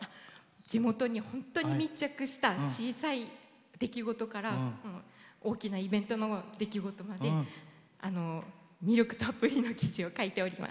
地元に本当に密着した小さい出来事から大きなイベントの出来事まで魅力たっぷりな記事を書いております。